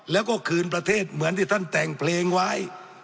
แล้วก็คืนประเทศเหมือนที่ท่านแต่งเพลงไว้